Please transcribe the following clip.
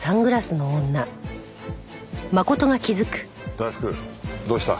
大福どうした？